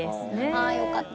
ああよかった。